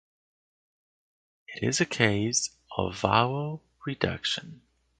It is a case of vowel reduction.